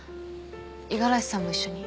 五十嵐さんも一緒に。